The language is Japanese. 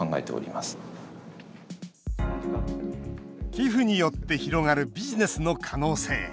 寄付によって広がるビジネスの可能性。